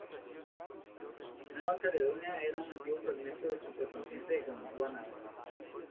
Nueva Caledonia era un antiguo fragmento del supercontinente Gondwana.